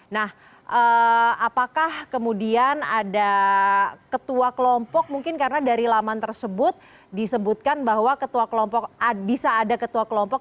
nah apakah kemudian ada ketua kelompok mungkin karena dari laman tersebut disebutkan bahwa kelompok bisa ada ketua kelompok